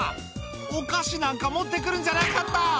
「お菓子なんか持って来るんじゃなかった」